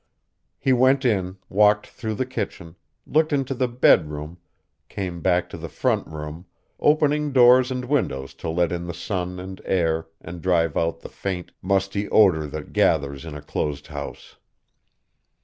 He went in, walked through the kitchen, looked into the bedroom, came back to the front room, opening doors and windows to let in the sun and air and drive out the faint, musty odor that gathers in a closed house.